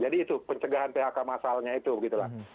jadi itu pencegahan phk masalahnya itu gitu lah